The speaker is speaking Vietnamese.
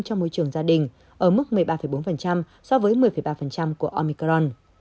cho môi trường gia đình ở mức một mươi ba bốn so với một mươi ba của omicron